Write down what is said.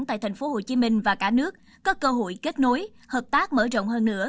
tại tp hcm và cả nước có cơ hội kết nối hợp tác mở rộng hơn nữa